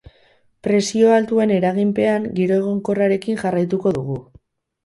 Presio altuen eraginpean, giro egonkorrarekin jarraituko dugu.